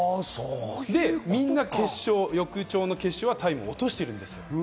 で、みんな翌朝の決勝はタイムを落としているんです。